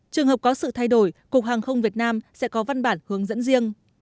trường hợp có sự thay đổi cục hàng không việt nam sẽ có văn bản hướng dẫn riêng